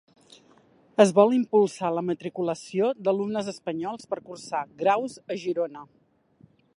Es vol impulsar la matriculació d'alumnes espanyols per cursar graus a Girona.